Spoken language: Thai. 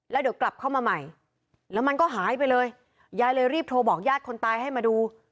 แล้วเดี๋ยวกลับเข้ามาใหม่แล้วมันก็หายไปเลยยายเลยรีบโทรบอกญาติคนตายให้มาดู